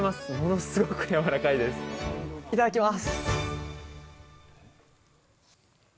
いただきます！